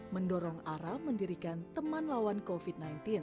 mendorong ara mendirikan teman lawan covid sembilan belas